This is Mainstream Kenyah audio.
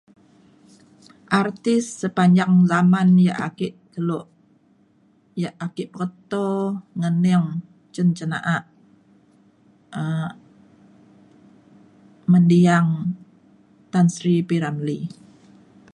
artis sepanjang zaman yak ake kelo yak ake peketo ngening cin cin na’a um mendiang Tan Sri P. Ramlee